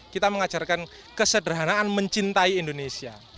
kita mengajarkan kesederhanaan mencintai indonesia